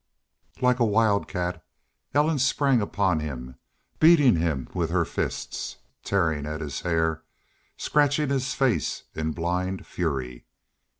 Like a wildcat Ellen sprang upon him, beating him with her fists, tearing at his hair, scratching his face, in a blind fury.